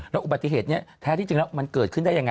แล้วอุบัติเหตุนี้แท้ที่จริงแล้วมันเกิดขึ้นได้ยังไง